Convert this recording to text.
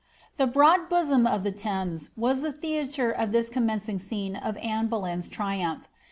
The broad bosom of the Thames was^ the theatre of this commencing scene of Anne Boleyn's triumph.